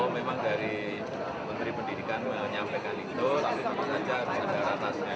memang dari menteri pendidikan menyampaikan itu tapi tentu saja ada ratasnya